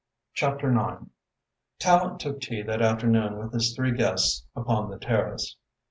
CHAPTER IX Tallente took tea that afternoon with his three guests upon the terrace.